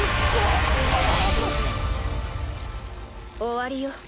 終わりよ。